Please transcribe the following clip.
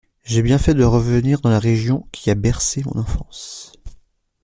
J’ai bien fait de revenir dans la région qui a bercé mon enfance.